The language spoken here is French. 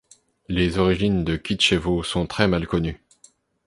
Les origines de Kitchevo sont très mal connues.